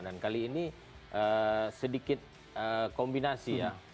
dan kali ini sedikit kombinasi